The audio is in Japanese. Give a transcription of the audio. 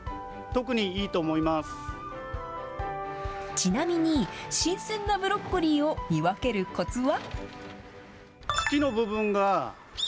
ちなみに、新鮮なブロッコリーを見分けるこつは。